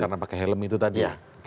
karena pakai helm itu tadi ya